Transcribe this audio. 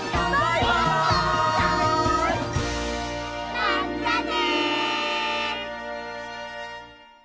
まったね！